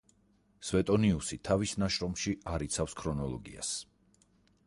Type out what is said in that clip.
სვეტონიუსი თავის ნაშრომში არ იცავს ქრონოლოგიას.